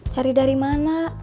cari dari mana